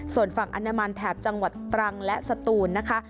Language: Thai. ส่วนฝั่งอนามันแถบจังหวัดตรังและสตูนนะคะ